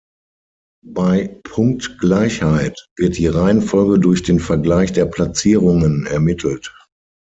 Bei Punktgleichheit wird die Reihenfolge durch den Vergleich der Platzierungen ermittelt.